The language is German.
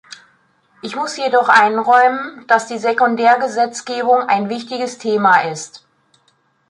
Ich muss jedoch einräumen, dass die Sekundärgesetzgebung ein wichtiges Thema ist.